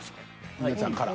稲ちゃんから。